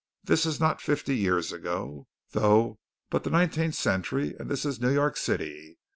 This is not fifty years ago, though, but the nineteenth century, and this is New York City.